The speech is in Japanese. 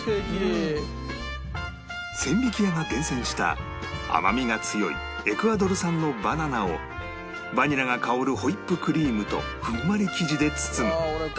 千疋屋が厳選した甘みが強いエクアドル産のバナナをバニラが香るホイップクリームとふんわり生地で包む